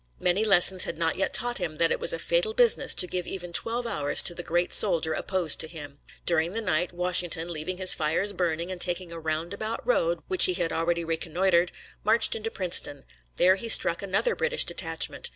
Many lessons had not yet taught him that it was a fatal business to give even twelve hours to the great soldier opposed to him. During the night Washington, leaving his fires burning and taking a roundabout road which he had already reconnoitered, marched to Princeton. There he struck another British detachment.